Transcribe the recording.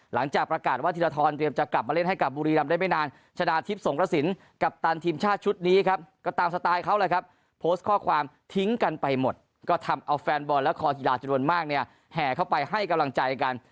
หลังจากประกาศว่าธีรทรเตรียมจะกลับมาเล่นให้กับบุรีรำได้ไม่นานชนะทิพย์สงกระสินกัปตันทีมชาติชุดนี้ครับก็ตามสไตล์เขาแหละครับโพสต์ข้อความทิ้งกันไปหมดก็ทำเอาแฟนบอลและคอกีฬาจำนวนมากเนี่ยแห่เข้าไปให้กำลังใจกัน